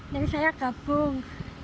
terus saya gabung